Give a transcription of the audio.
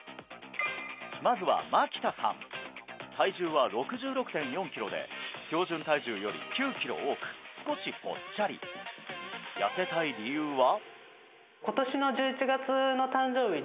まずは牧田さん体重は６６．４キロで標準体重より９キロ多く少しぽっちゃり痩せたい理由は？